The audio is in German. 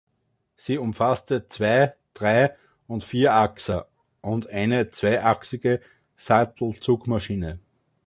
Sie umfasste Zwei-, Drei- und Vierachser und eine zweiachsige Sattelzugmaschine.